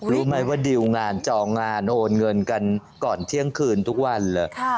รู้ไหมว่าดิวงานจองงานโอนเงินกันก่อนเที่ยงคืนทุกวันเลย